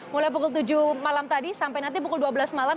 mulai pukul tujuh malam tadi sampai nanti pukul dua belas malam